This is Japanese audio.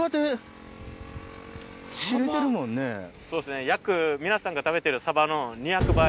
そうですね約皆さんが食べてるサバの２００倍。